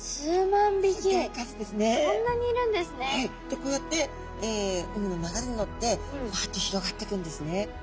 でこうやって海の流れにのってぶわっと広がってくんですね。